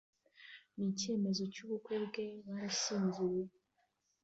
nicyemezo cyubukwe bwe barashyingiwe